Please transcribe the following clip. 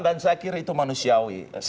dan saya kira itu manusiawi